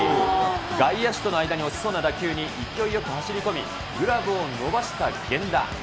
外野手との間に落ちそうな打球に勢いよく走り込み、グラブを伸ばした源田。